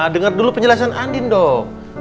dengar dulu penjelasan andin dong